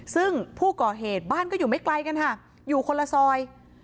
ซึ่งผู้ก่อเหตุบ้านก็อยู่ไม่ไกลกันค่ะอยู่คนละซอย